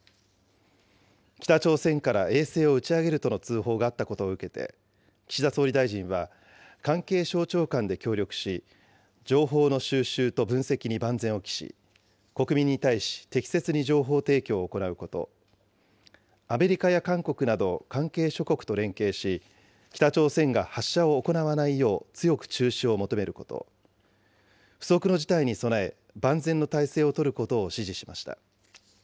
北朝鮮から衛星を打ち上げるとの通報があったことを受けて、岸田総理大臣は、関係省庁間で協力し、情報の収集と分析に万全を期し、国民に対し、適切に情報提供を行うこと、アメリカや韓国など関係諸国と連携し、北朝鮮が発射を行わないよう強く中止を求めること、不測の事態に備え、万全の態勢を取ることを指示しました。